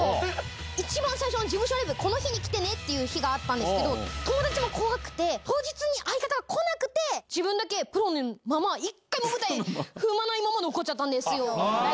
一番最初、事務所ライブ、この日に来てねという日があったんですけど、友達も怖くて、当日に相方が来なくて、自分だけプロの舞台、一回も踏まないまま残っちゃったんですよ。